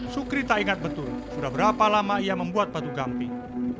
sukri tak ingat betul sudah berapa lama ia membuat batu gamping